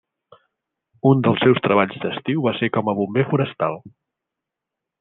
Un dels seus treballs d'estiu va ser com a bomber forestal.